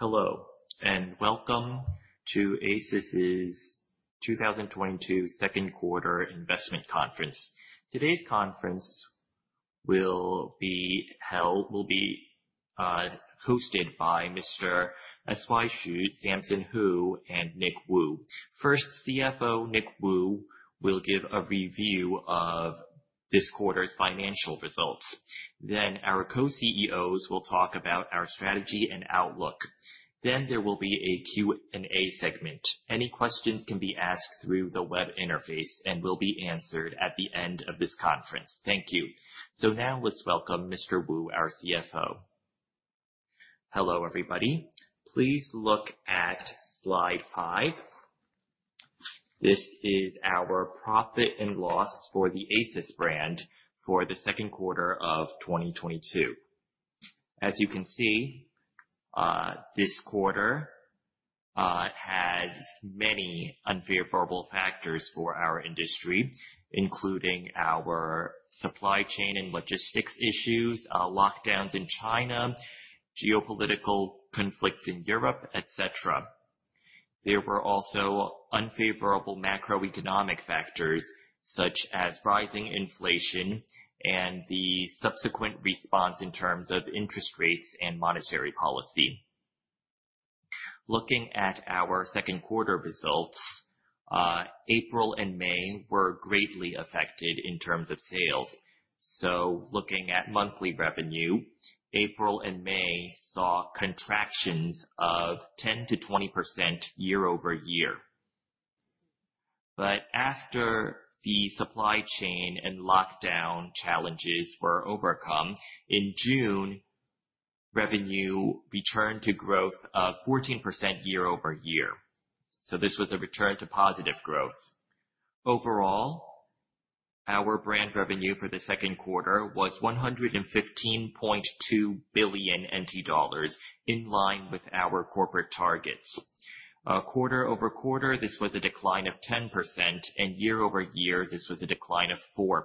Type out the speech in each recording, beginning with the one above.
Hello, and welcome to ASUS's 2022 second quarter investment conference. Today's conference will be hosted by Mr. S.Y. Hsu, Samson Hu, and Nick Wu. First CFO, Nick Wu, will give a review of this quarter's financial results. Our co-CEOs will talk about our strategy and outlook. There will be a Q&A segment. Any questions can be asked through the web interface and will be answered at the end of this conference. Thank you. Now let's welcome Mr. Wu, our CFO. Hello, everybody. Please look at slide five. This is our profit and loss for the ASUS brand for the second quarter of 2022. As you can see, this quarter has many unfavorable factors for our industry, including our supply chain and logistics issues, lockdowns in China, geopolitical conflicts in Europe, et cetera. There were also unfavorable macroeconomic factors, such as rising inflation and the subsequent response in terms of interest rates and monetary policy. Looking at our second quarter results, April and May were greatly affected in terms of sales. Looking at monthly revenue, April and May saw contractions of 10%-20% year-over-year. After the supply chain and lockdown challenges were overcome, in June, revenue returned to growth of 14% year-over-year. This was a return to positive growth. Overall, our brand revenue for the second quarter was 115.2 billion NT dollars, in line with our corporate targets. Quarter-over-quarter, this was a decline of 10%, and year-over-year, this was a decline of 4%.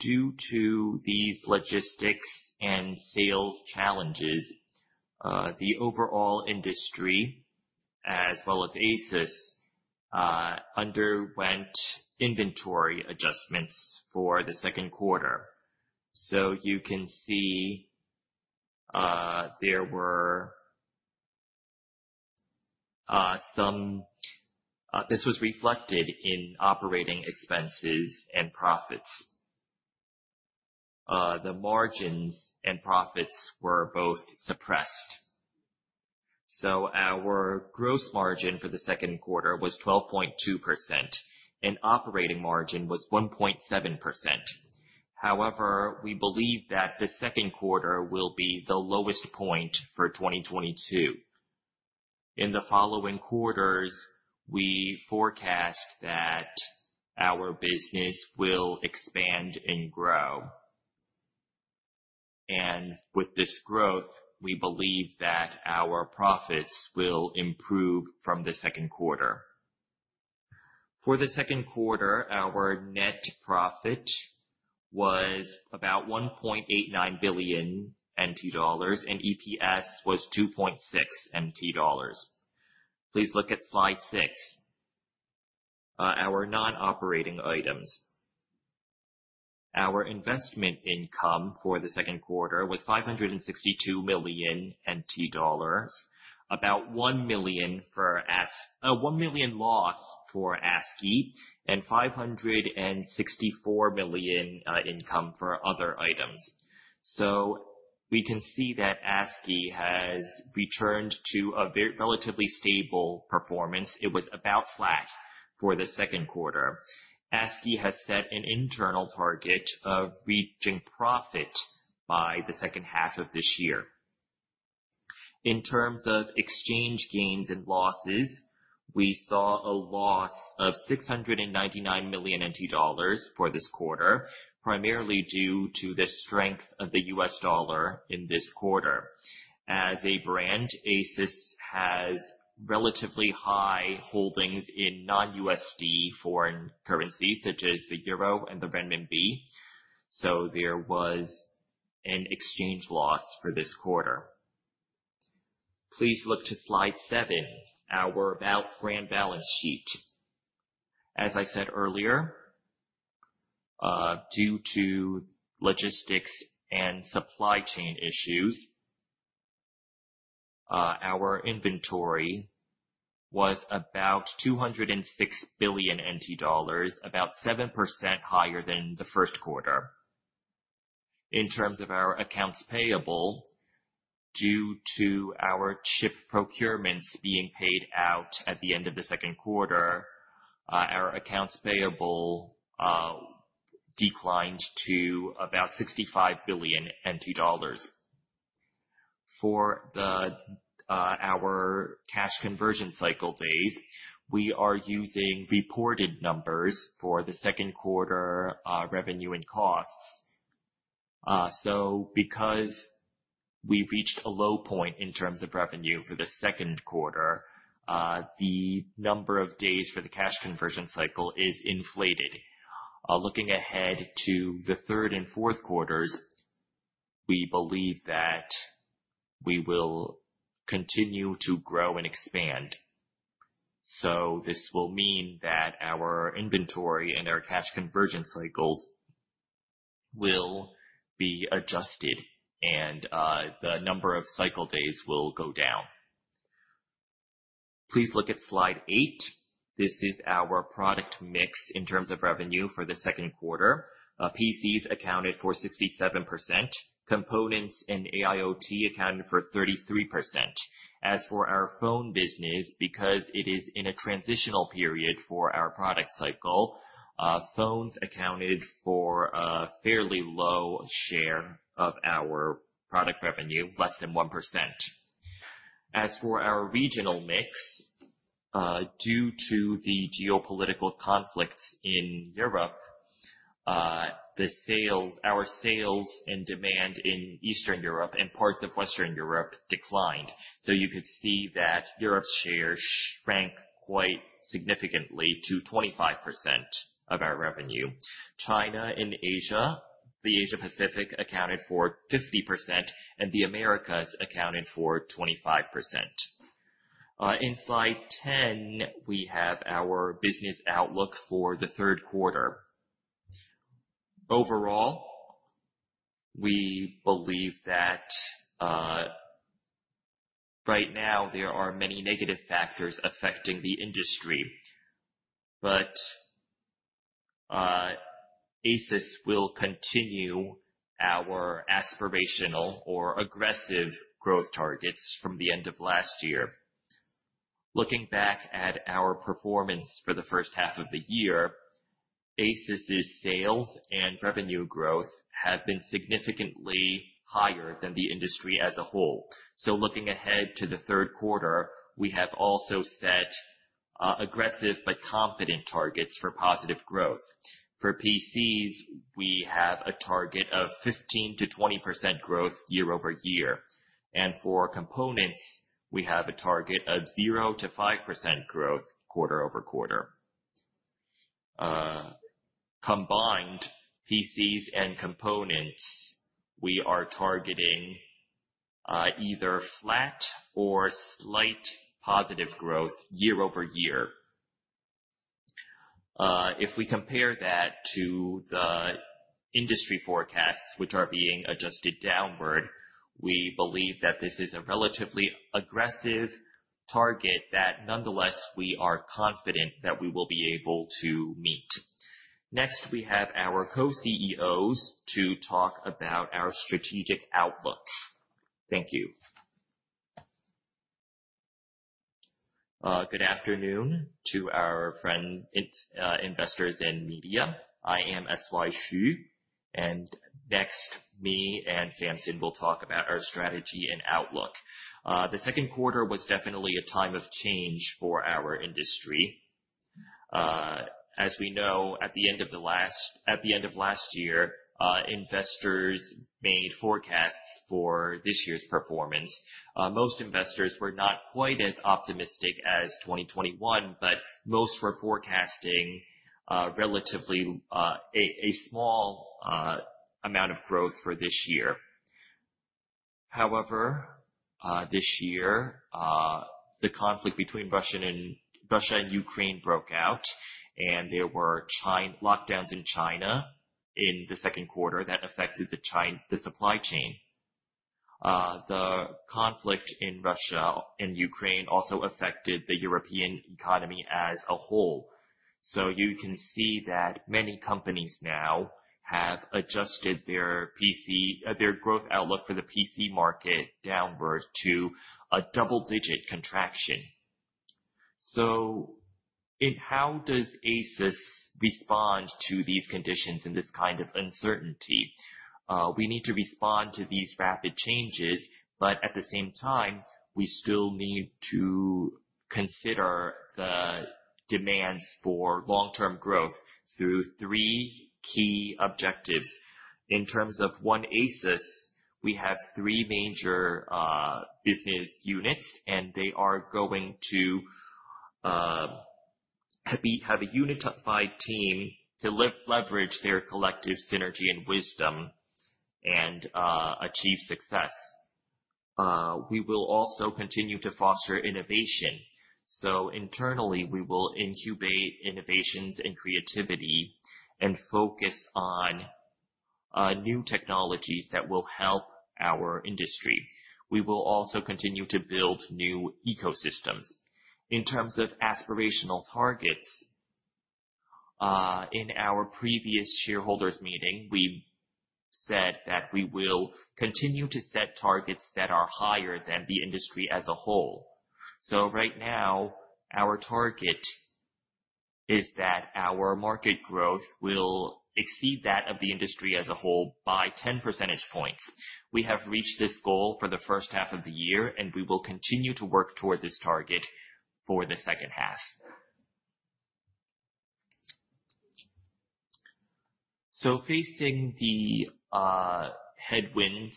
Due to these logistics and sales challenges, the overall industry, as well as ASUS, underwent inventory adjustments for the second quarter. You can see, there were some. This was reflected in operating expenses and profits. The margins and profits were both suppressed. Our gross margin for the second quarter was 12.2% and operating margin was 1.7%. However, we believe that the second quarter will be the lowest point for 2022. In the following quarters, we forecast that our business will expand and grow. With this growth, we believe that our profits will improve from the second quarter. For the second quarter, our net profit was about 1.89 billion NT dollars, and EPS was 2.6 NT dollars. Please look at slide six. Our non-operating items. Our investment income for the second quarter was 562 million NT dollars, about 1 million loss for ASFI and 564 million income for other items. We can see that ASFI has returned to relatively stable performance. It was about flat for the second quarter. ASFI has set an internal target of reaching profit by the second half of this year. In terms of exchange gains and losses, we saw a loss of 699 million NT dollars for this quarter, primarily due to the strength of the US dollar in this quarter. As a brand, ASUS has relatively high holdings in non-USD foreign currencies, such as the euro and the renminbi, so there was an exchange loss for this quarter. Please look to slide seven, our brand balance sheet. As I said earlier, due to logistics and supply chain issues, our inventory was about 206 billion NT dollars, 7% higher than the first quarter. In terms of our accounts payable, due to our chip procurements being paid out at the end of the second quarter, our accounts payable declined to about 65 billion. For our cash conversion cycle days, we are using reported numbers for the second quarter, revenue and costs. Because we've reached a low point in terms of revenue for the second quarter, the number of days for the cash conversion cycle is inflated. Looking ahead to the third and fourth quarters, we believe that we will continue to grow and expand. This will mean that our inventory and our cash conversion cycles will be adjusted, and the number of cycle days will go down. Please look at slide eight. This is our product mix in terms of revenue for the second quarter. PCs accounted for 67%, components and AIoT accounted for 33%. As for our phone business, because it is in a transitional period for our product cycle, phones accounted for a fairly low share of our product revenue, less than 1%. As for our regional mix, due to the geopolitical conflicts in Europe, our sales and demand in Eastern Europe and parts of Western Europe declined. You could see that Europe's share shrank quite significantly to 25% of our revenue. China and Asia, the Asia Pacific accounted for 50%, and the Americas accounted for 25%. In slide 10, we have our business outlook for the third quarter. Overall, we believe that right now there are many negative factors affecting the industry. ASUS will continue our aspirational or aggressive growth targets from the end of last year. Looking back at our performance for the first half of the year, ASUS's sales and revenue growth have been significantly higher than the industry as a whole. Looking ahead to the third quarter, we have also set aggressive but confident targets for positive growth. For PCs, we have a target of 15%-20% growth year-over-year. For components, we have a target of 0%-5% growth quarter-over-quarter. Combined PCs and components, we are targeting either flat or slight positive growth year-over-year. If we compare that to the industry forecasts, which are being adjusted downward, we believe that this is a relatively aggressive target that nonetheless, we are confident that we will be able to meet. Next, we have our co-CEOs to talk about our strategic outlook. Thank you. Good afternoon to our friends, investors and media. I am S.Y. Hsu, and next, me and Samson will talk about our strategy and outlook. The second quarter was definitely a time of change for our industry. As we know, at the end of last year, investors made forecasts for this year's performance. Most investors were not quite as optimistic as 2021, but most were forecasting relatively a small amount of growth for this year. However, this year, the conflict between Russia and Ukraine broke out, and there were lockdowns in China in the second quarter that affected the supply chain. The conflict in Russia and Ukraine also affected the European economy as a whole. You can see that many companies now have adjusted their growth outlook for the PC market downward to a double-digit contraction. How does ASUS respond to these conditions in this kind of uncertainty? We need to respond to these rapid changes, but at the same time, we still need to consider the demands for long-term growth through three key objectives. In terms of one ASUS, we have three major business units, and they are going to have a unified team to leverage their collective synergy and wisdom and achieve success. We will also continue to foster innovation. Internally, we will incubate innovations and creativity and focus on new technologies that will help our industry. We will also continue to build new ecosystems. In terms of aspirational targets, in our previous shareholders meeting, we said that we will continue to set targets that are higher than the industry as a whole. Right now, our target is that our market growth will exceed that of the industry as a whole by 10 percentage points. We have reached this goal for the first half of the year, and we will continue to work toward this target for the second half. Facing the headwinds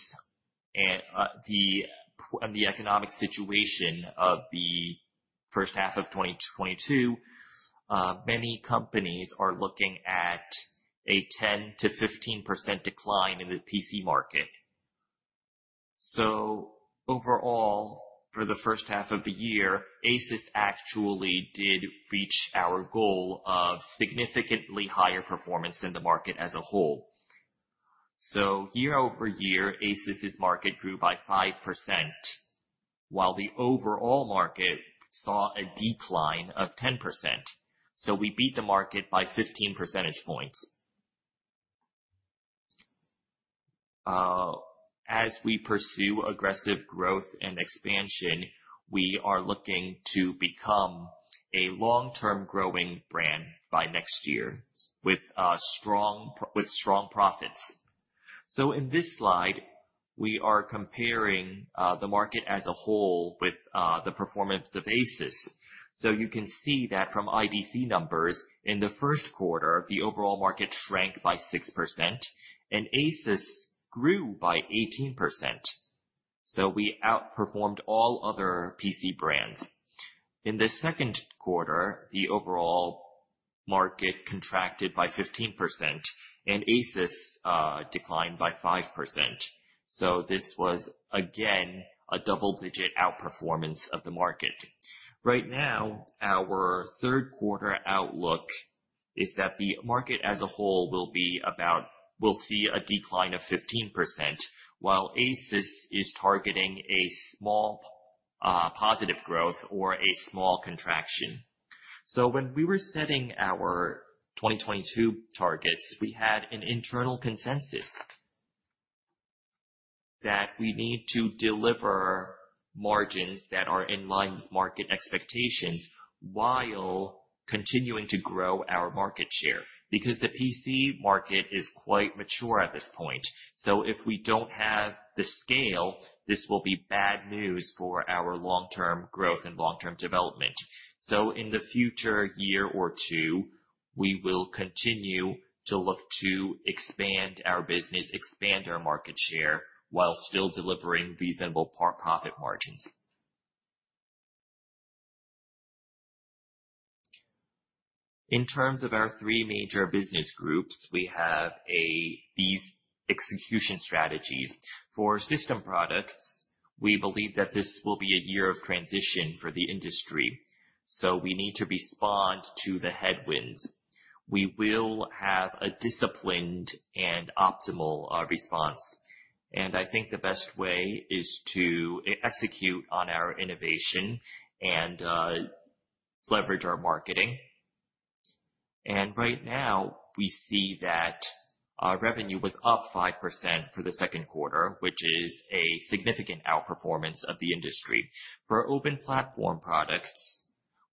and the economic situation of the first half of 2022, many companies are looking at a 10%-15% decline in the PC market. Overall, for the first half of the year, ASUS actually did reach our goal of significantly higher performance than the market as a whole. Year-over-year, ASUS's market grew by 5%, while the overall market saw a decline of 10%. We beat the market by 15 percentage points. As we pursue aggressive growth and expansion, we are looking to become a long-term growing brand by next year with strong profits. In this slide, we are comparing the market as a whole with the performance of ASUS. You can see that from IDC numbers, in the first quarter, the overall market shrank by 6%, and ASUS grew by 18%. We outperformed all other PC brands. In the second quarter, the overall market contracted by 15%, and ASUS declined by 5%. This was again a double-digit outperformance of the market. Right now, our third quarter outlook is that the market as a whole will see a decline of 15%, while ASUS is targeting a small positive growth or a small contraction. When we were setting our 2022 targets, we had an internal consensus that we need to deliver margins that are in line with market expectations while continuing to grow our market share. Because the PC market is quite mature at this point, so if we don't have the scale, this will be bad news for our long-term growth and long-term development. In the future year or two, we will continue to look to expand our business, expand our market share, while still delivering reasonable profit margins. In terms of our three major business groups, we have these execution strategies. For system products, we believe that this will be a year of transition for the industry, so we need to respond to the headwinds. We will have a disciplined and optimal response. I think the best way is to execute on our innovation and leverage our marketing. Right now, we see that our revenue was up 5% for the second quarter, which is a significant outperformance of the industry. For open platform products,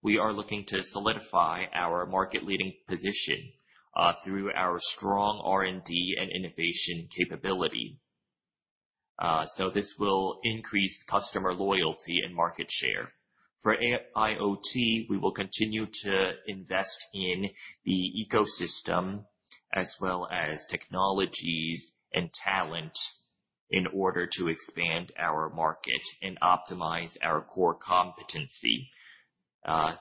we are looking to solidify our market-leading position through our strong R&D and innovation capability. So this will increase customer loyalty and market share. For AIoT, we will continue to invest in the ecosystem as well as technologies and talent in order to expand our market and optimize our core competency.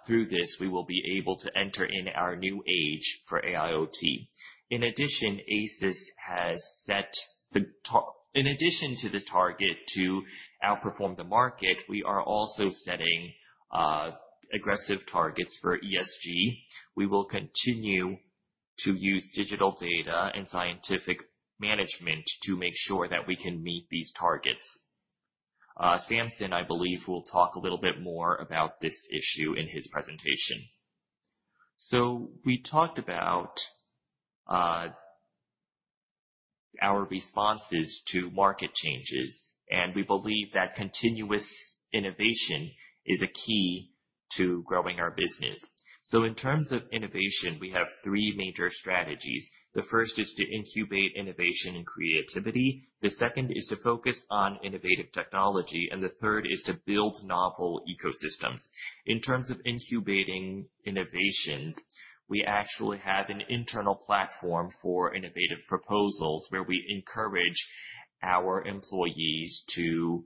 Through this, we will be able to enter in our new age for AIoT. In addition, ASUS has set in addition to the target to outperform the market, we are also setting aggressive targets for ESG. We will continue to use digital data and scientific management to make sure that we can meet these targets. Samson, I believe, will talk a little bit more about this issue in his presentation. We talked about our responses to market changes, and we believe that continuous innovation is a key to growing our business. In terms of innovation, we have three major strategies. The first is to incubate innovation and creativity, the second is to focus on innovative technology, and the third is to build novel ecosystems. In terms of incubating innovations, we actually have an internal platform for innovative proposals, where we encourage our employees to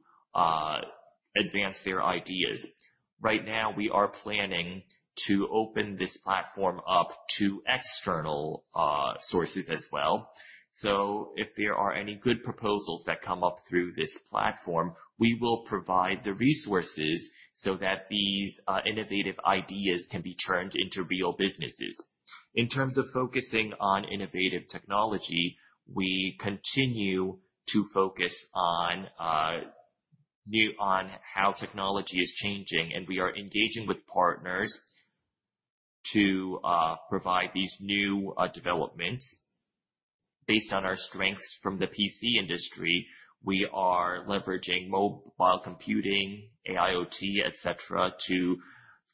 advance their ideas. Right now, we are planning to open this platform up to external sources as well. If there are any good proposals that come up through this platform, we will provide the resources so that these innovative ideas can be turned into real businesses. In terms of focusing on innovative technology, we continue to focus on how technology is changing, and we are engaging with partners to provide these new developments. Based on our strengths from the PC industry, we are leveraging mobile computing, AIoT, et cetera, to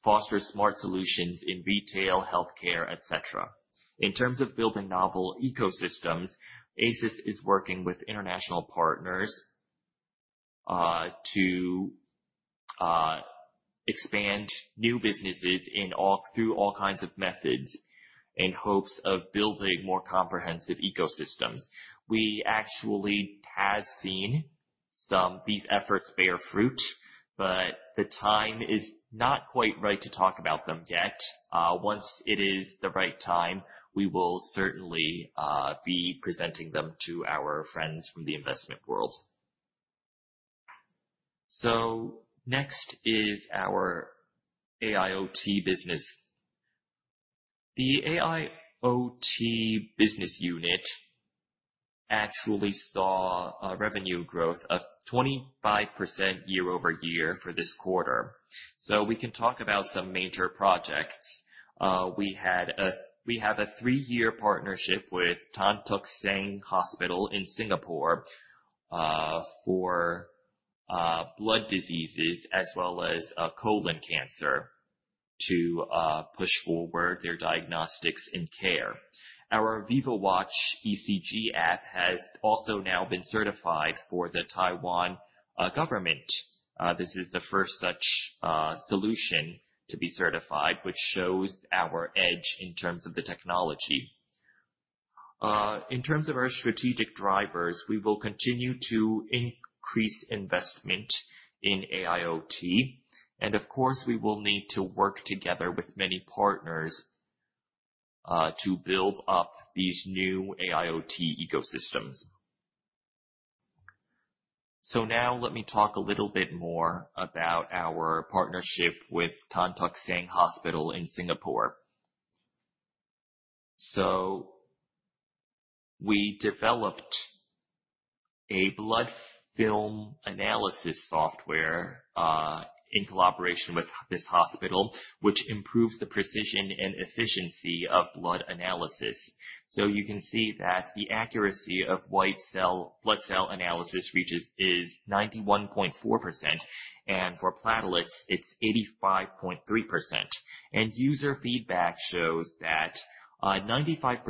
foster smart solutions in retail, healthcare, et cetera. In terms of building novel ecosystems, ASUS is working with international partners to expand new businesses through all kinds of methods in hopes of building more comprehensive ecosystems. We actually have seen these efforts bear fruit, but the time is not quite right to talk about them yet. Once it is the right time, we will certainly be presenting them to our friends from the investment world. Next is our AIoT business. The AIoT business unit actually saw a revenue growth of 25% year-over-year for this quarter. We can talk about some major projects. We have a three-year partnership with Tan Tock Seng Hospital in Singapore for blood diseases as well as colon cancer to push forward their diagnostics and care. Our VivoWatch ECG app has also now been certified for the Taiwan government. This is the first such solution to be certified, which shows our edge in terms of the technology. In terms of our strategic drivers, we will continue to increase investment in AIoT, and of course, we will need to work together with many partners, to build up these new AIoT ecosystems. Now let me talk a little bit more about our partnership with Tan Tock Seng Hospital in Singapore. We developed a blood film analysis software, in collaboration with this hospital, which improves the precision and efficiency of blood analysis. You can see that the accuracy of white cell, blood cell analysis is 91.4%, and for platelets it's 85.3%. User feedback shows that, 95%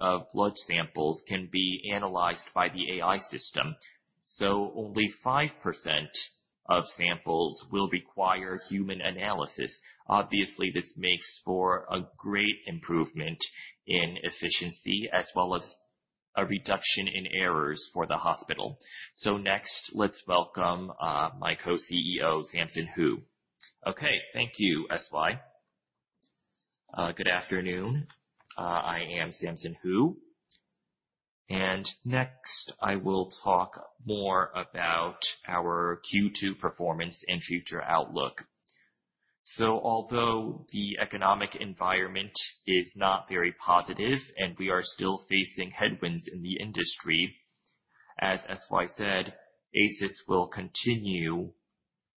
of blood samples can be analyzed by the AI system, so only 5% of samples will require human analysis. Obviously, this makes for a great improvement in efficiency as well as a reduction in errors for the hospital. Next, let's welcome my co-CEO, Samson Hu. Okay. Thank you, S.Y. Good afternoon. I am Samson Hu, and next I will talk more about our Q2 performance and future outlook. Although the economic environment is not very positive and we are still facing headwinds in the industry, as S.Y. said, ASUS will continue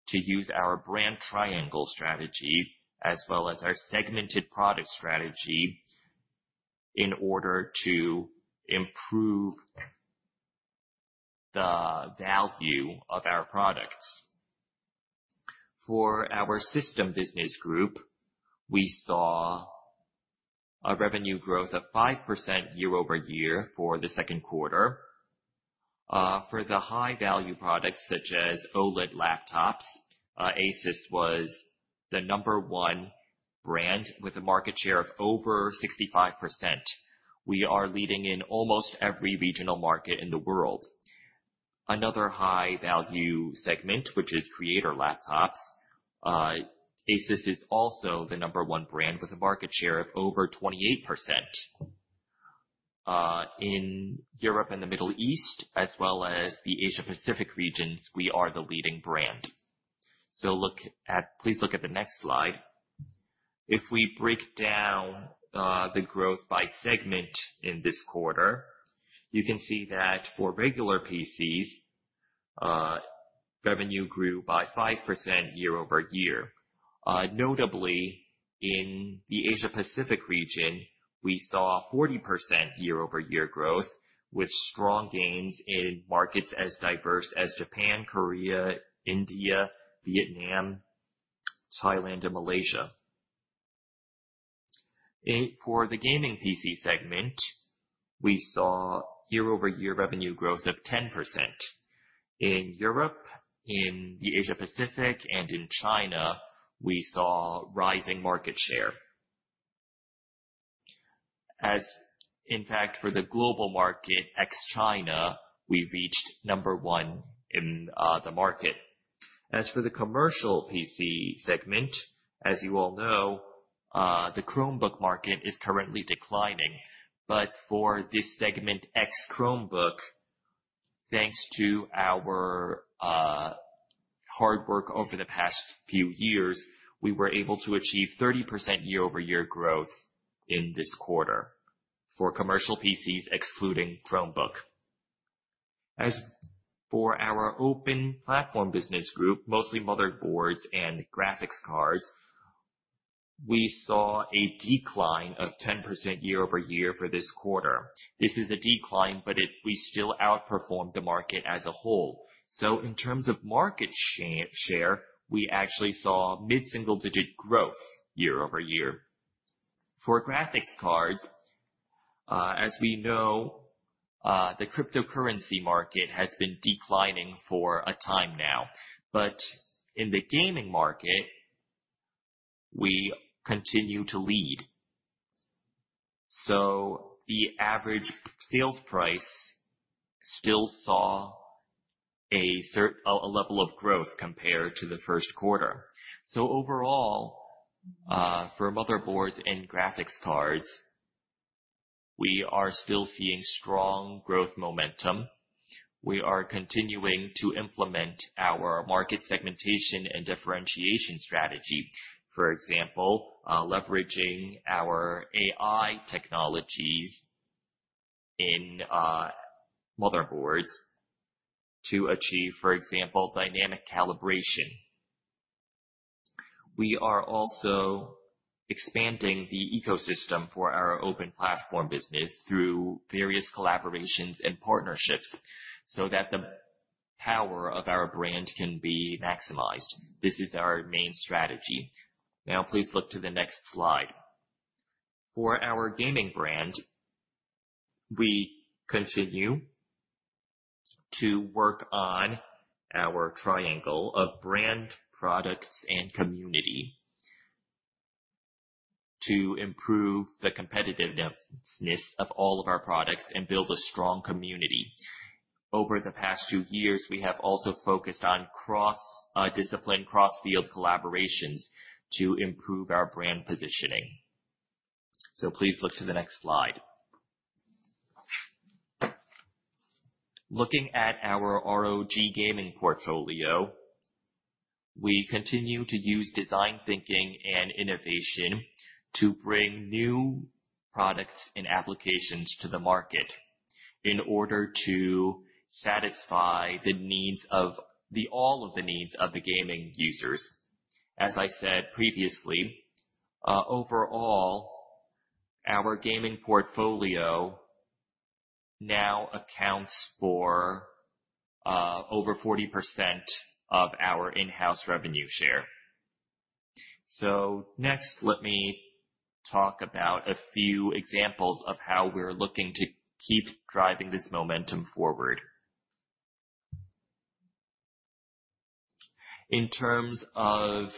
to use our brand triangle strategy as well as our segmented product strategy in order to improve the value of our products. For our system business group, we saw a revenue growth of 5% year-over-year for the second quarter. For the high-value products such as OLED laptops, ASUS was the number one brand with a market share of over 65%. We are leading in almost every regional market in the world. Another high-value segment, which is creator laptops, ASUS is also the number one brand with a market share of over 28%. In Europe and the Middle East as well as the Asia Pacific regions, we are the leading brand. Please look at the next slide. If we break down the growth by segment in this quarter, you can see that for regular PCs, revenue grew by 5% year-over-year. Notably in the Asia Pacific region, we saw 40% year-over-year growth with strong gains in markets as diverse as Japan, Korea, India, Vietnam, Thailand and Malaysia. For the gaming PC segment, we saw year-over-year revenue growth of 10%. In Europe, in the Asia Pacific and in China, we saw rising market share. In fact, for the global market, ex-China, we reached number one in the market. As for the commercial PC segment, as you all know, the Chromebook market is currently declining. For this segment, ex-Chromebook, thanks to our hard work over the past few years, we were able to achieve 30% year-over-year growth in this quarter for commercial PCs, excluding Chromebook. As for our open platform business group, mostly motherboards and graphics cards, we saw a decline of 10% year-over-year for this quarter. This is a decline, but we still outperformed the market as a whole. In terms of market share, we actually saw mid-single-digit growth year-over-year. For graphics cards, as we know, the cryptocurrency market has been declining for a time now. In the gaming market, we continue to lead. The average sales price still saw a level of growth compared to the first quarter. Overall, for motherboards and graphics cards, we are still seeing strong growth momentum. We are continuing to implement our market segmentation and differentiation strategy. For example, leveraging our AI technologies in motherboards to achieve, for example, dynamic calibration. We are also expanding the ecosystem for our open platform business through various collaborations and partnerships so that the power of our brand can be maximized. This is our main strategy. Now please look to the next slide. For our gaming brand, we continue to work on our triangle of brand, products, and community to improve the competitiveness of all of our products and build a strong community. Over the past two years, we have also focused on cross-discipline, cross-field collaborations to improve our brand positioning. Please look to the next slide. Looking at our ROG gaming portfolio, we continue to use design thinking and innovation to bring new products and applications to the market in order to satisfy all of the needs of the gaming users. As I said previously, overall, our gaming portfolio now accounts for over 40% of our in-house revenue share. Next, let me talk about a few examples of how we're looking to keep driving this momentum forward. In terms of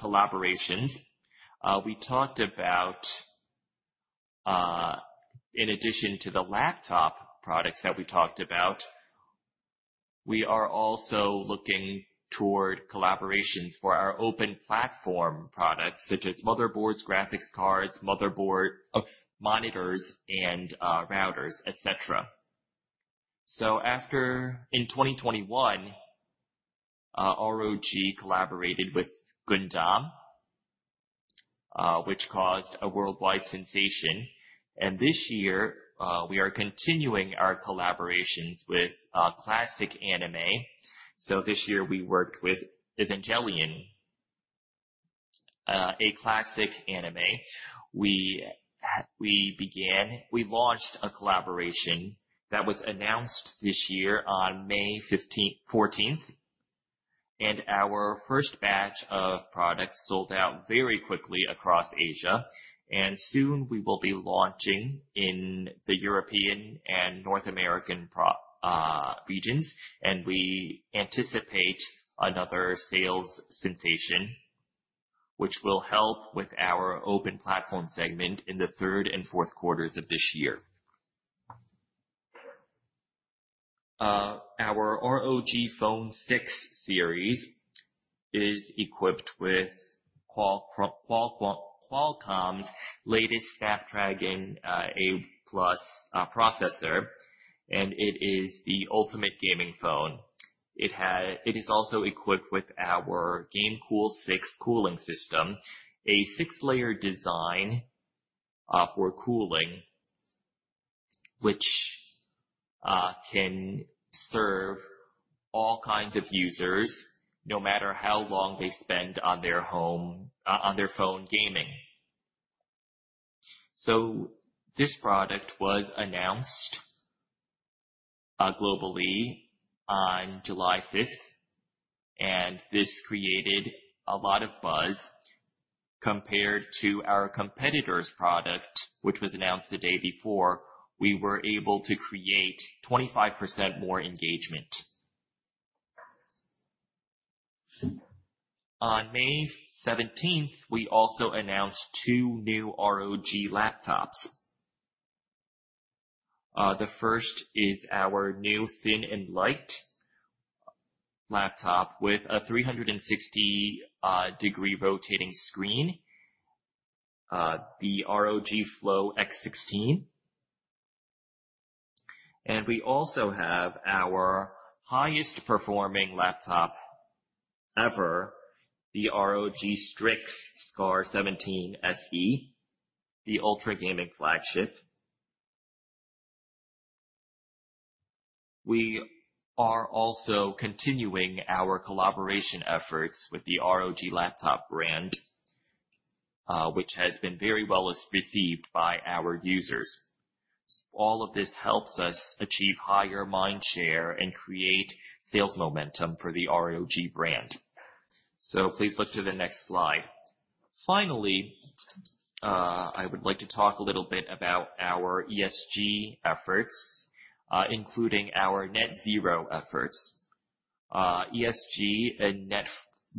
collaboration, we talked about, in addition to the laptop products that we talked about, we are also looking toward collaborations for our open platform products such as motherboards, graphics cards, monitors and routers, et cetera. In 2021, ROG collaborated with Gundam, which caused a worldwide sensation. This year we are continuing our collaborations with classic anime. This year we worked with Evangelion, a classic anime. We launched a collaboration that was announced this year on May 14th, and our first batch of products sold out very quickly across Asia. Soon we will be launching in the European and North American pro regions, and we anticipate another sales sensation, which will help with our open platform segment in the third and fourth quarters of this year. Our ROG Phone 6 series is equipped with Qualcomm's latest Snapdragon 8+ processor, and it is the ultimate gaming phone. It is also equipped with our GameCool 6 cooling system, a six-layer design, for cooling, which can serve all kinds of users no matter how long they spend on their home, on their phone gaming. This product was announced globally on July 5th, and this created a lot of buzz. Compared to our competitor's product, which was announced the day before, we were able to create 25% more engagement. On May seventeenth, we also announced two new ROG laptops. The first is our new thin and light laptop with a 360-degree rotating screen, the ROG Flow X16. We also have our highest performing laptop ever, the ROG Strix SCAR 17 SE, the ultra-gaming flagship. We are also continuing our collaboration efforts with the ROG laptop brand, which has been very well received by our users. All of this helps us achieve higher mind share and create sales momentum for the ROG brand. Please look to the next slide. Finally, I would like to talk a little bit about our ESG efforts, including our net zero efforts. ESG and net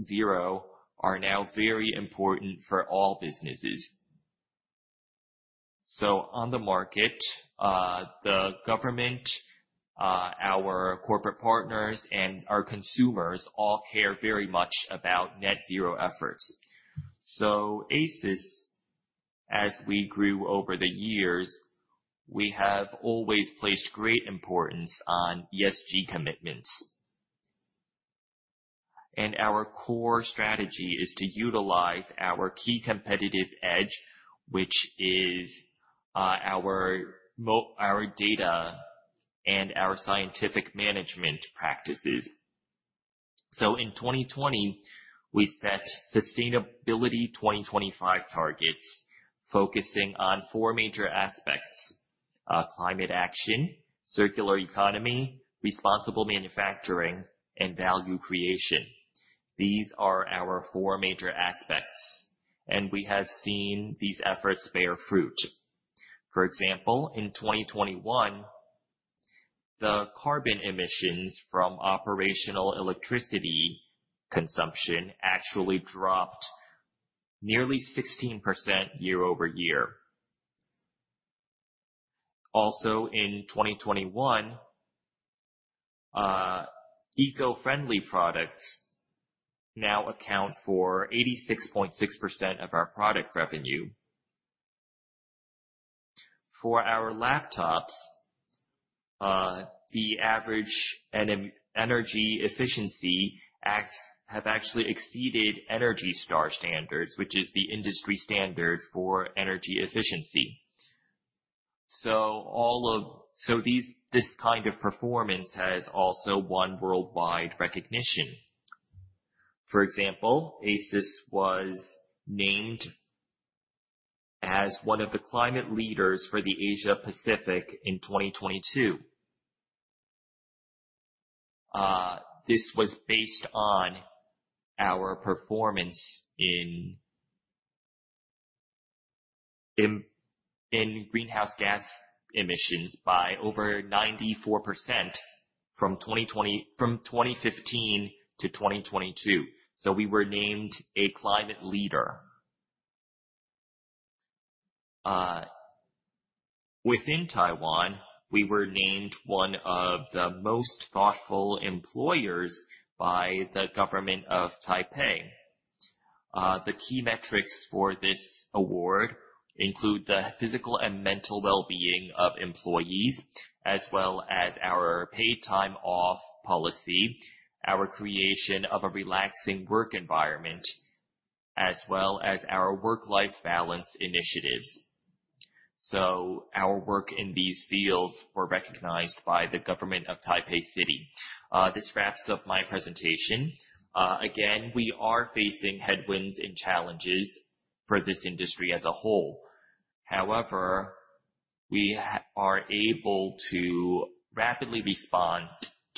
zero are now very important for all businesses. On the market, the government, our corporate partners and our consumers all care very much about net zero efforts. ASUS, as we grew over the years, we have always placed great importance on ESG commitments. Our core strategy is to utilize our key competitive edge, which is our data and our scientific management practices. In 2020, we set sustainability 2025 targets focusing on four major aspects, climate action, circular economy, responsible manufacturing, and value creation. These are our four major aspects, and we have seen these efforts bear fruit. For example, in 2021, the carbon emissions from operational electricity consumption actually dropped nearly 16% year-over-year. Also in 2021, eco-friendly products now account for 86.6% of our product revenue. For our laptops, the average and energy efficiency act have actually exceeded ENERGY STAR standards, which is the industry standard for energy efficiency. These, this kind of performance has also won worldwide recognition. For example, ASUS was named as one of the climate leaders for the Asia Pacific in 2022. This was based on our performance in greenhouse gas emissions by over 94% from 2015-2022. We were named a climate leader. Within Taiwan, we were named one of the most thoughtful employers by the government of Taipei. The key metrics for this award include the physical and mental well-being of employees, as well as our paid time off policy, our creation of a relaxing work environment, as well as our work-life balance initiatives. Our work in these fields were recognized by the government of Taipei City. This wraps up my presentation. Again, we are facing headwinds and challenges for this industry as a whole. However, we are able to rapidly respond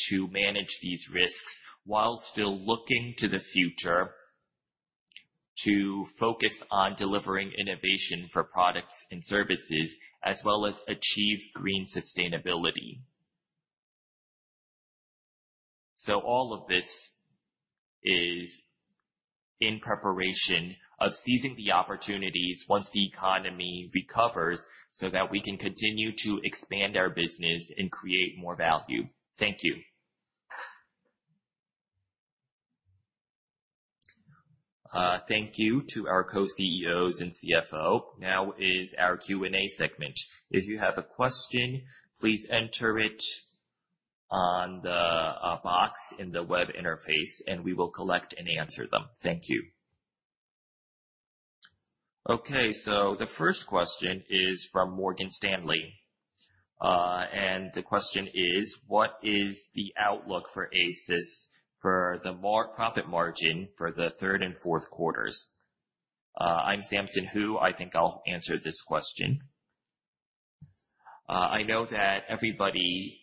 to manage these risks while still looking to the future to focus on delivering innovation for products and services, as well as achieve green sustainability. All of this is in preparation of seizing the opportunities once the economy recovers, so that we can continue to expand our business and create more value. Thank you. Thank you to our co-CEOs and CFO. Now is our Q&A segment. If you have a question, please enter it on the box in the web interface, and we will collect and answer them. Thank you. Okay. The first question is from Morgan Stanley. And the question is. What is the outlook for ASUS for the profit margin for the third and fourth quarters? I'm Samson Hu. I think I'll answer this question. I know that everybody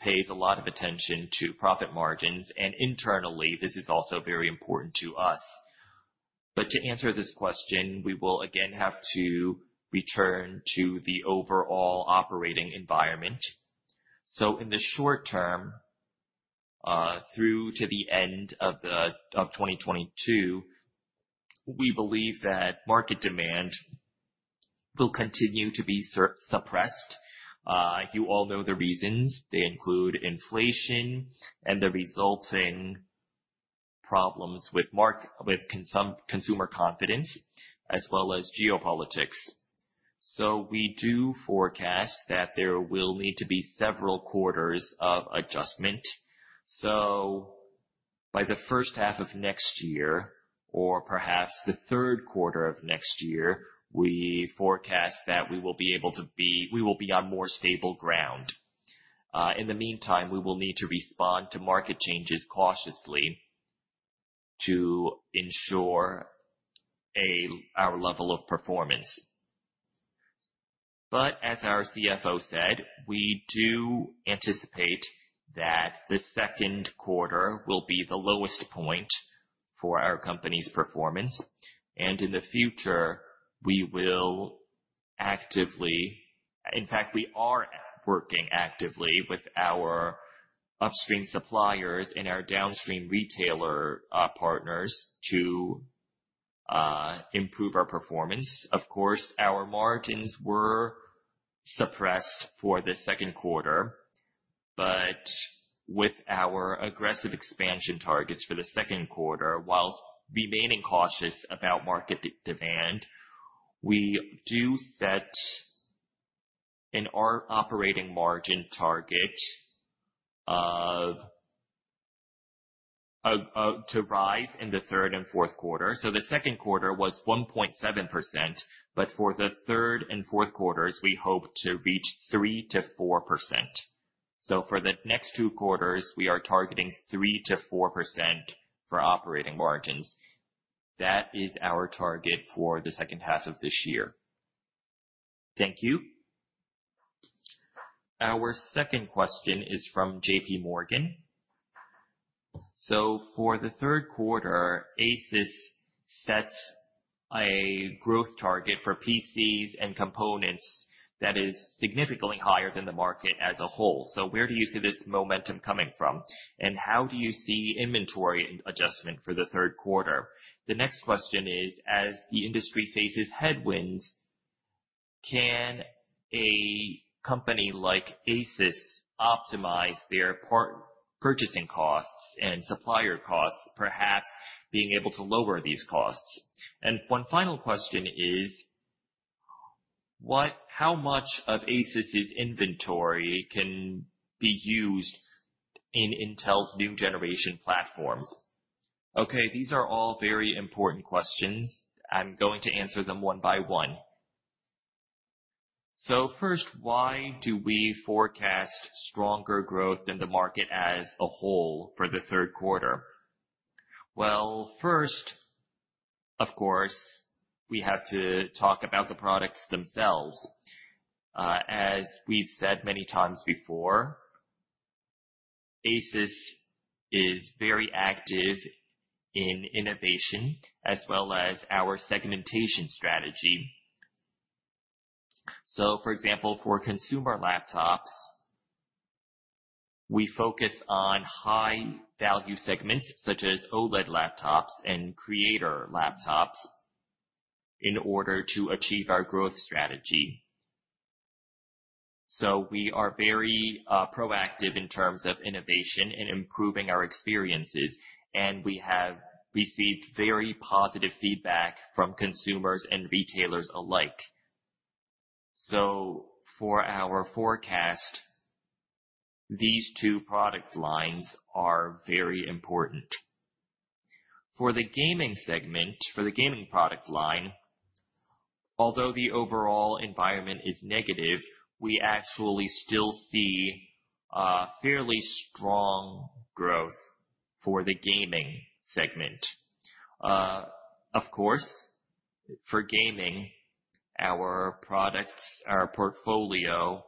pays a lot of attention to profit margins, and internally, this is also very important to us. To answer this question, we will again have to return to the overall operating environment. In the short term, through to the end of 2022, we believe that market demand will continue to be suppressed. You all know the reasons. They include inflation and the resulting problems with consumer confidence as well as geopolitics. We do forecast that there will need to be several quarters of adjustment. By the first half of next year or perhaps the third quarter of next year, we forecast that we will be on more stable ground. In the meantime, we will need to respond to market changes cautiously. To ensure our level of performance. As our CFO said, we do anticipate that the second quarter will be the lowest point for our company's performance. In the future, we will actively. In fact, we are working actively with our upstream suppliers and our downstream retailer partners to improve our performance. Of course, our margins were suppressed for the second quarter, but with our aggressive expansion targets for the second quarter, while remaining cautious about market demand, we do set our operating margin target to rise in the third and fourth quarter. The second quarter was 1.7%, but for the third and fourth quarters, we hope to reach 3%-4%. For the next two quarters, we are targeting 3%-4% for operating margins. That is our target for the second half of this year. Thank you. Our second question is from JPMorgan. For the third quarter, ASUS sets a growth target for PCs and components that is significantly higher than the market as a whole. Where do you see this momentum coming from? And how do you see inventory adjustment for the third quarter? The next question is, as the industry faces headwinds, can a company like ASUS optimize their purchasing costs and supplier costs, perhaps being able to lower these costs? And one final question is, how much of ASUS's inventory can be used in Intel's new generation platforms? Okay, these are all very important questions. I'm going to answer them one by one. First, why do we forecast stronger growth than the market as a whole for the third quarter? Well, first, of course, we have to talk about the products themselves. As we've said many times before, ASUS is very active in innovation as well as our segmentation strategy. For example, for consumer laptops, we focus on high value segments such as OLED laptops and creator laptops in order to achieve our growth strategy. We are very proactive in terms of innovation and improving our experiences, and we have received very positive feedback from consumers and retailers alike. For our forecast, these two product lines are very important. For the gaming segment, for the gaming product line, although the overall environment is negative, we actually still see a fairly strong growth for the gaming segment. Of course, for gaming, our products, our portfolio,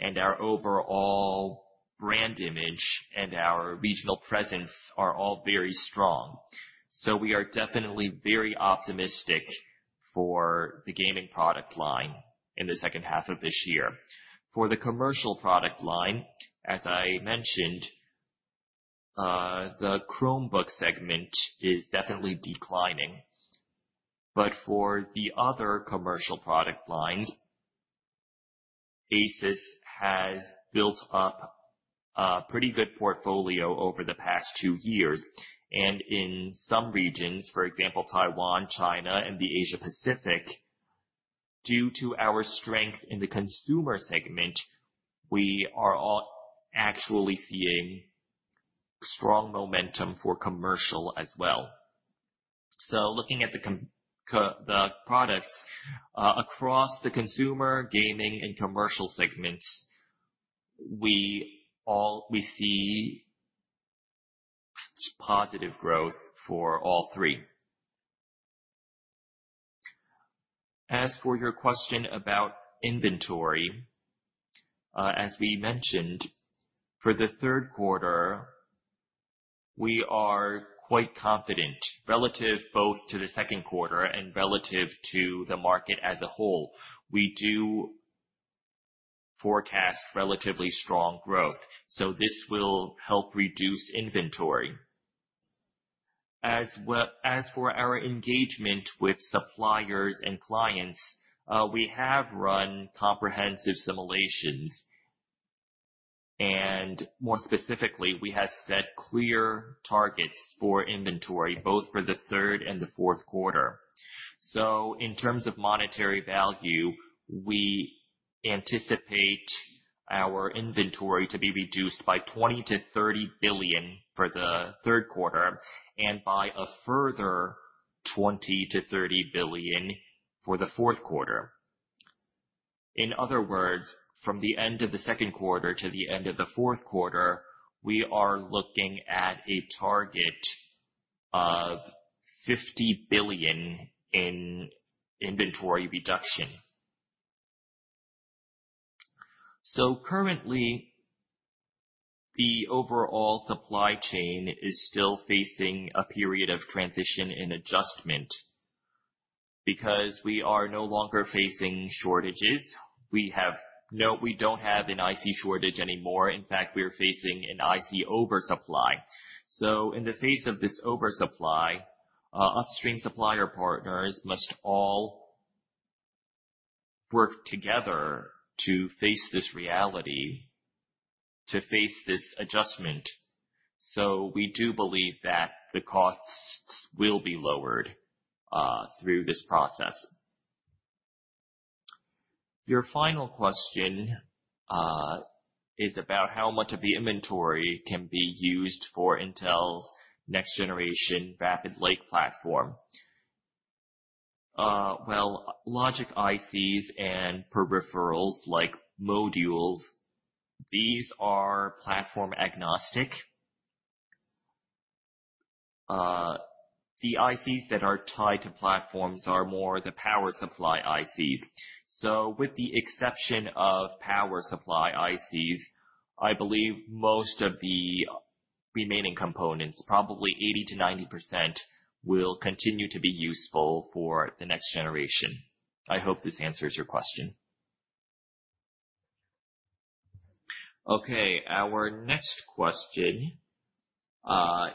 and our overall brand image and our regional presence are all very strong. We are definitely very optimistic for the gaming product line in the second half of this year. For the commercial product line, as I mentioned, the Chromebook segment is definitely declining. For the other commercial product lines, ASUS has built up a pretty good portfolio over the past two years. In some regions, for example, Taiwan, China, and the Asia Pacific, due to our strength in the consumer segment, we are all actually seeing strong momentum for commercial as well. Looking at the products across the consumer, gaming, and commercial segments, we see positive growth for all three. As for your question about inventory, as we mentioned, for the third quarter, we are quite confident relative both to the second quarter and relative to the market as a whole. We do forecast relatively strong growth, so this will help reduce inventory. As for our engagement with suppliers and clients, we have run comprehensive simulations. More specifically, we have set clear targets for inventory, both for the third and the fourth quarter. In terms of monetary value, we anticipate our inventory to be reduced by 20 billion-30 billion for the third quarter and by a further 20 billion-30 billion for the fourth quarter. In other words, from the end of the second quarter to the end of the fourth quarter, we are looking at a target of 50 billion in inventory reduction. Currently, the overall supply chain is still facing a period of transition and adjustment because we are no longer facing shortages. No, we don't have an IC shortage anymore. In fact, we are facing an IC oversupply. In the face of this oversupply, upstream supplier partners must all work together to face this reality, to face this adjustment. We do believe that the costs will be lowered through this process. Your final question is about how much of the inventory can be used for Intel's next generation Raptor Lake platform. Well, logic ICs and peripherals like modules, these are platform-agnostic. The ICs that are tied to platforms are more the power supply ICs. With the exception of power supply ICs, I believe most of the remaining components, probably 80%-90% will continue to be useful for the next generation. I hope this answers your question. Okay, our next question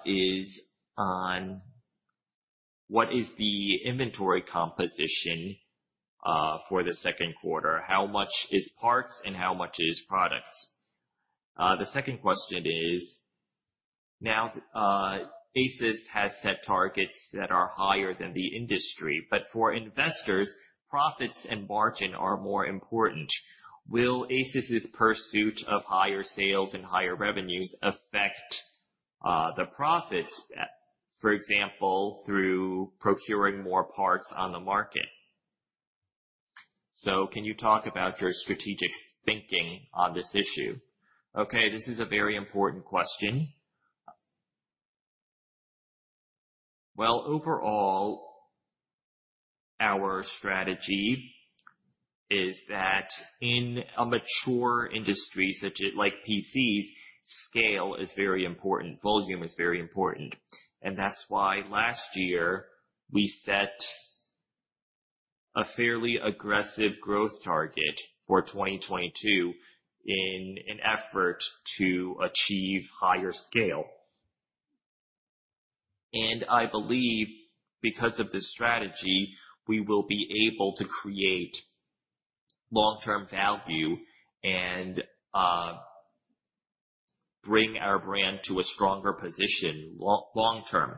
is on what is the inventory composition for the second quarter. How much is parts and how much is products? The second question is, now, ASUS has set targets that are higher than the industry, but for investors, profits and margin are more important. Will ASUS's pursuit of higher sales and higher revenues affect the profits, for example, through procuring more parts on the market? Can you talk about your strategic thinking on this issue? Okay, this is a very important question. Well, overall, our strategy is that in a mature industry such as like PCs, scale is very important, volume is very important. That's why last year we set a fairly aggressive growth target for 2022 in an effort to achieve higher scale. I believe because of this strategy, we will be able to create long-term value and bring our brand to a stronger position long term.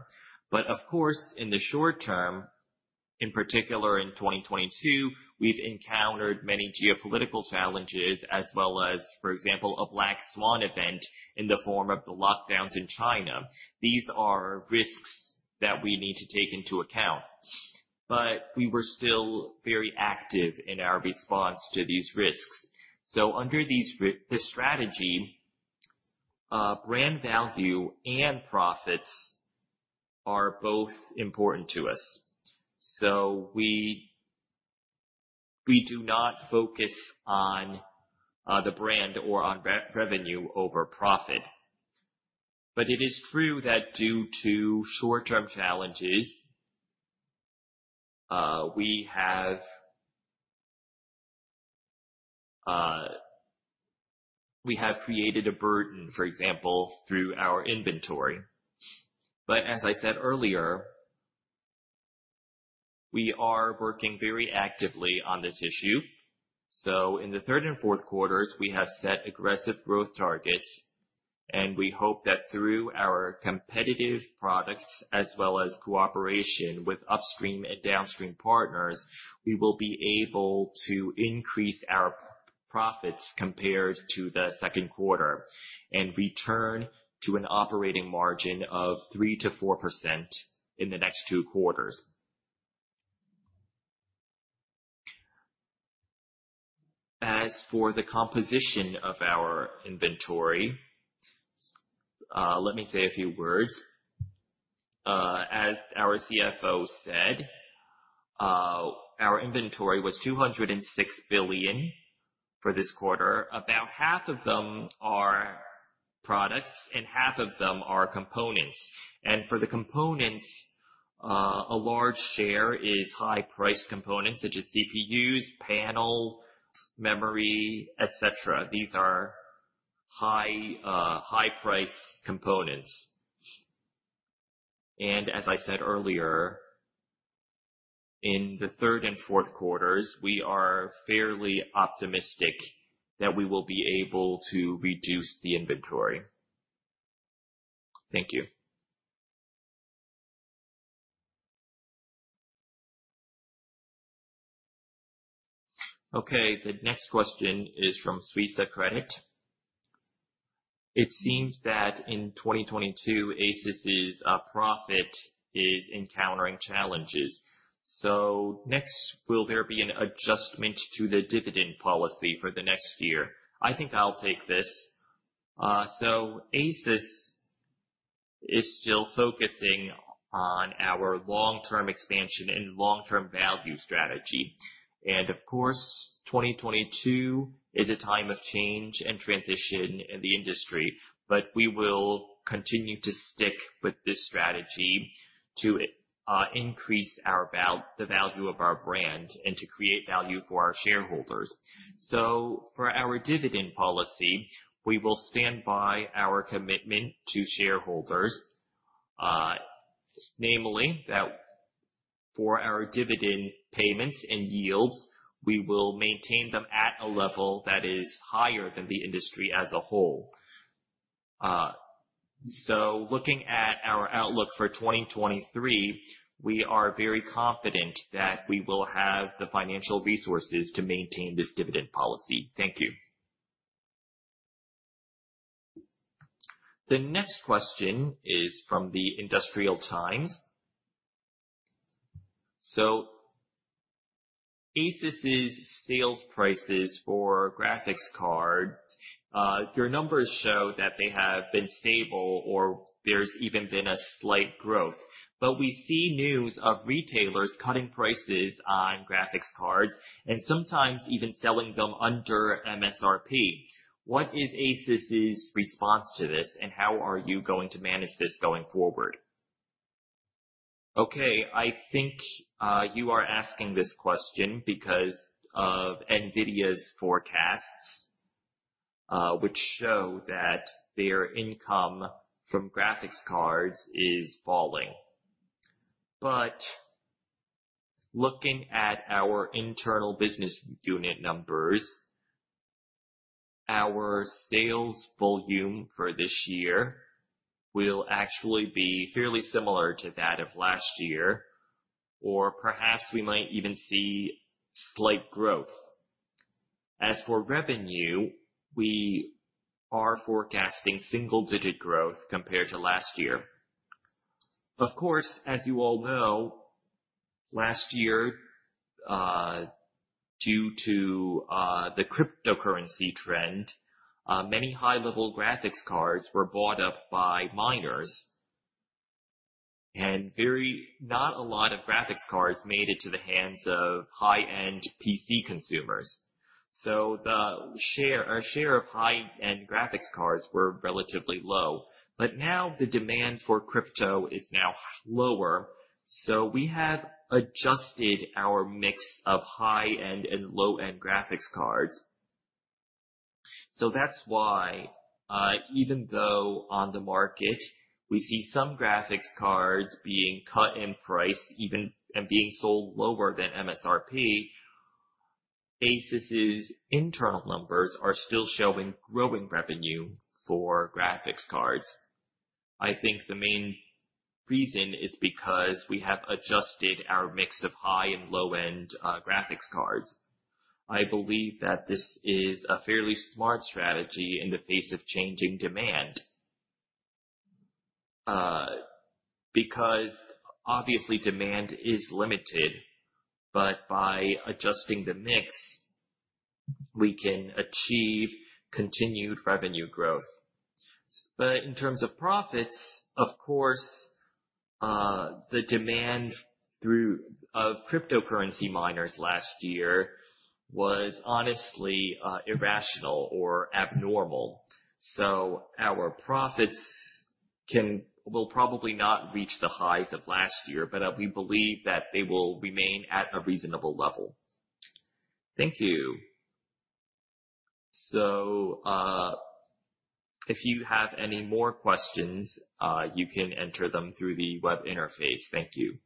Of course, in the short term, in particular in 2022, we've encountered many geopolitical challenges as well as, for example, a black swan event in the form of the lockdowns in China. These are risks that we need to take into account, but we were still very active in our response to these risks. Under this strategy, brand value and profits are both important to us. We do not focus on the brand or on revenue over profit. It is true that due to short-term challenges, we have. We have created a burden, for example, through our inventory. As I said earlier, we are working very actively on this issue. In the third and fourth quarters, we have set aggressive growth targets, and we hope that through our competitive products as well as cooperation with upstream and downstream partners, we will be able to increase our profits compared to the second quarter and return to an operating margin of 3%-4% in the next two quarters. As for the composition of our inventory, let me say a few words. As our CFO said, our inventory was 206 billion for this quarter. About half of them are products and half of them are components. For the components, a large share is high-price components such as CPUs, panels, memory, et cetera. These are high price components. As I said earlier, in the third and fourth quarters, we are fairly optimistic that we will be able to reduce the inventory. Thank you. Okay, the next question is from Credit Suisse. It seems that in 2022, ASUS's profit is encountering challenges. Next, will there be an adjustment to the dividend policy for the next year? I think I'll take this. ASUS is still focusing on our long-term expansion and long-term value strategy. Of course, 2022 is a time of change and transition in the industry, but we will continue to stick with this strategy to increase the value of our brand and to create value for our shareholders. For our dividend policy, we will stand by our commitment to shareholders, namely that for our dividend payments and yields, we will maintain them at a level that is higher than the industry as a whole. Looking at our outlook for 2023, we are very confident that we will have the financial resources to maintain this dividend policy. Thank you. The next question is from the DigiTimes. ASUS's sales prices for graphics card, your numbers show that they have been stable or there's even been a slight growth. But we see news of retailers cutting prices on graphics cards and sometimes even selling them under MSRP. What is ASUS's response to this, and how are you going to manage this going forward? Okay, I think you are asking this question because of NVIDIA's forecasts, which show that their income from graphics cards is falling. Looking at our internal business unit numbers, our sales volume for this year will actually be fairly similar to that of last year. Or perhaps we might even see slight growth. As for revenue, we are forecasting single-digit growth compared to last year. Of course, as you all know, last year, due to the cryptocurrency trend, many high-level graphics cards were bought up by miners, and not a lot of graphics cards made it to the hands of high-end PC consumers. The share, our share of high-end graphics cards were relatively low. Now the demand for crypto is now lower, so we have adjusted our mix of high-end and low-end graphics cards. That's why, even though on the market we see some graphics cards being cut in price even, and being sold lower than MSRP, ASUS's internal numbers are still showing growing revenue for graphics cards. I think the main reason is because we have adjusted our mix of high and low-end graphics cards. I believe that this is a fairly smart strategy in the face of changing demand. Because obviously demand is limited, but by adjusting the mix, we can achieve continued revenue growth. In terms of profits, of course, the demand through cryptocurrency miners last year was honestly irrational or abnormal. Our profits will probably not reach the highs of last year, but we believe that they will remain at a reasonable level. Thank you. If you have any more questions, you can enter them through the web interface. Thank you.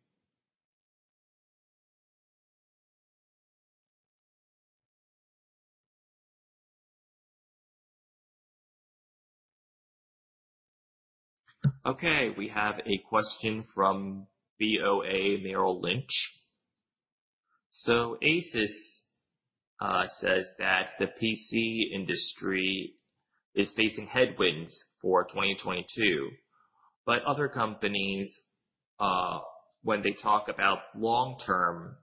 Okay, we have a question from BofA Merrill Lynch. ASUS says that the PC industry is facing headwinds for 2022, but other companies, when they talk about long term,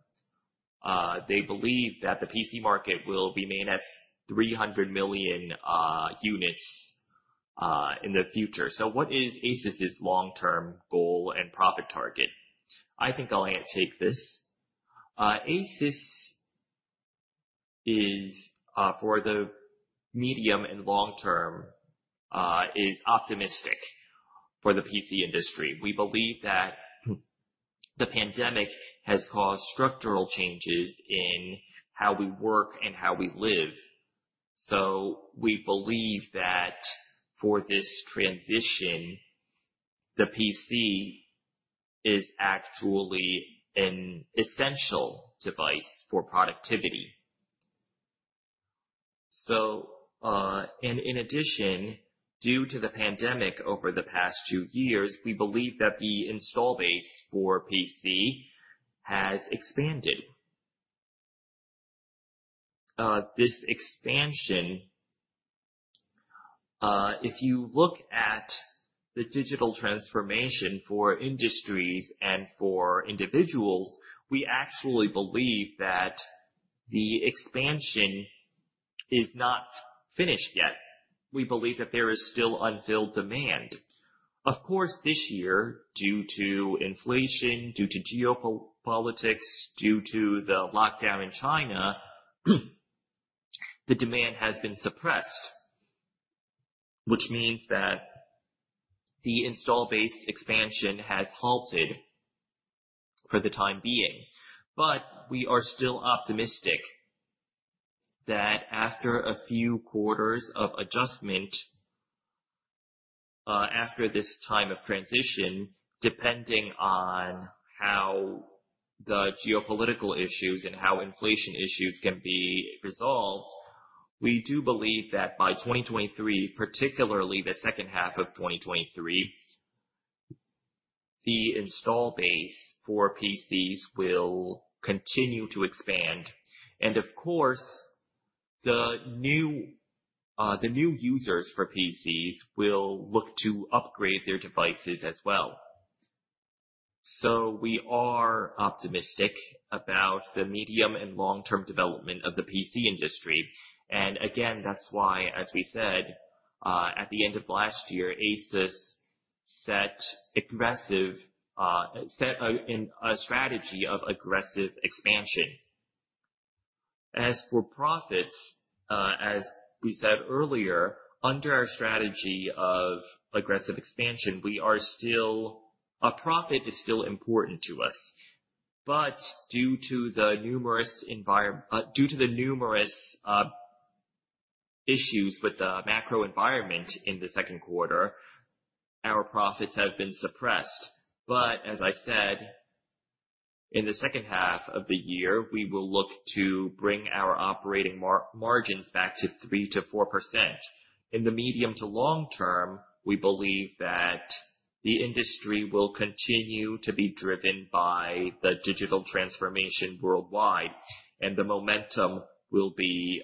they believe that the PC market will remain at 300 million units in the future. What is ASUS's long-term goal and profit target? I think I'll take this. ASUS is, for the medium and long term, optimistic for the PC industry. We believe that the pandemic has caused structural changes in how we work and how we live. We believe that for this transition, the PC is actually an essential device for productivity. in addition, due to the pandemic over the past two years, we believe that the install base for PC has expanded. This expansion, if you look at the digital transformation for industries and for individuals, we actually believe that the expansion is not finished yet. We believe that there is still unfilled demand. Of course, this year, due to inflation, due to geopolitics, due to the lockdown in China, the demand has been suppressed, which means that the install base expansion has halted for the time being. We are still optimistic that after a few quarters of adjustment, after this time of transition, depending on how the geopolitical issues and how inflation issues can be resolved, we do believe that by 2023, particularly the second half of 2023, the install base for PCs will continue to expand. Of course, the new users for PCs will look to upgrade their devices as well. We are optimistic about the medium and long-term development of the PC industry. Again, that's why, as we said, at the end of last year, ASUS set a strategy of aggressive expansion. As for profits, as we said earlier, under our strategy of aggressive expansion, a profit is still important to us. Due to the numerous issues with the macro environment in the second quarter, our profits have been suppressed. As I said, in the second half of the year, we will look to bring our operating margins back to 3%-4%. In the medium to long term, we believe that the industry will continue to be driven by the digital transformation worldwide, and the momentum will be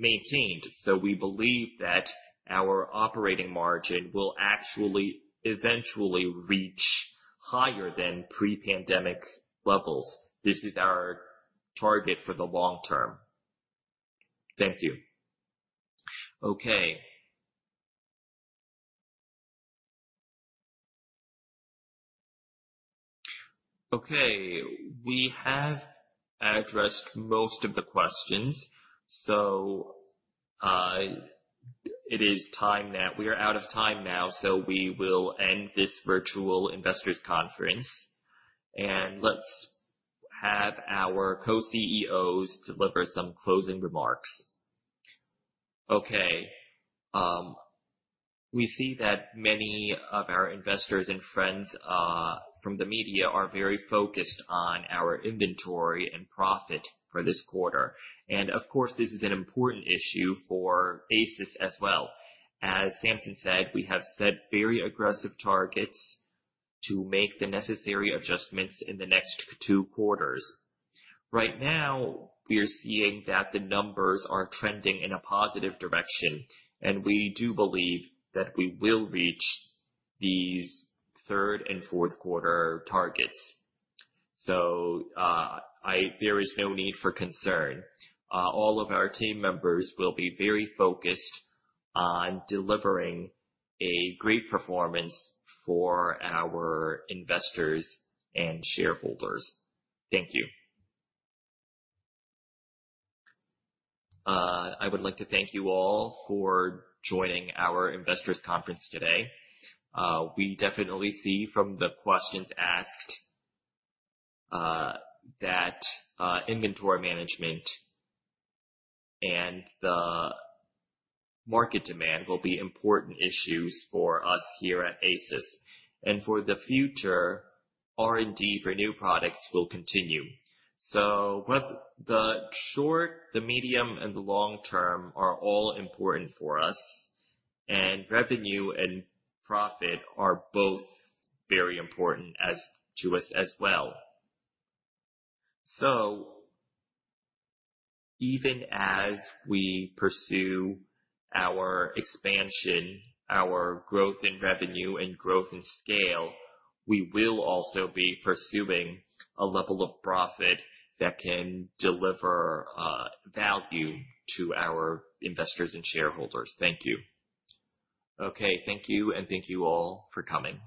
maintained. We believe that our operating margin will actually eventually reach higher than pre-pandemic levels. This is our target for the long term. Thank you. Okay. We have addressed most of the questions. It is time now. We are out of time now, so we will end this virtual investors conference. Let's have our co-CEOs deliver some closing remarks. Okay. We see that many of our investors and friends from the media are very focused on our inventory and profit for this quarter. Of course, this is an important issue for ASUS as well. As Samson said, we have set very aggressive targets to make the necessary adjustments in the next two quarters. Right now, we are seeing that the numbers are trending in a positive direction, and we do believe that we will reach these third and fourth quarter targets. There is no need for concern. All of our team members will be very focused on delivering a great performance for our investors and shareholders. Thank you. I would like to thank you all for joining our investors conference today. We definitely see from the questions asked that inventory management and the market demand will be important issues for us here at ASUS. For the future, R&D for new products will continue. The short, the medium, and the long term are all important for us, and revenue and profit are both very important to us as well. Even as we pursue our expansion, our growth in revenue and growth in scale, we will also be pursuing a level of profit that can deliver value to our investors and shareholders. Thank you. Okay. Thank you, and thank you all for coming.